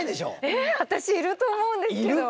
え私いると思うんですけど。